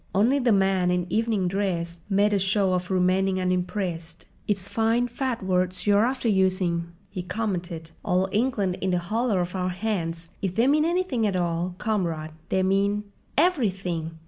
Only the man in evening dress made a show of remaining unimpressed. "It's fine, fat words you're after using," he commented. "'All England in the hollow of our hands!' If they mean anything at all, comrade, they mean—" "Everything!"